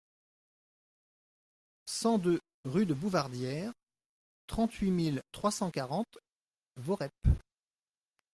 cent deux rue de Bouvardière, trente-huit mille trois cent quarante Voreppe